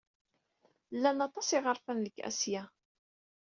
Llan aṭas n yiɣerfan deg Asya.